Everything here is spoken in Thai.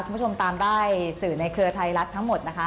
คุณผู้ชมตามได้สื่อในเครือไทยรัฐทั้งหมดนะคะ